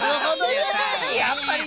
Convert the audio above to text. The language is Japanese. やっぱりな。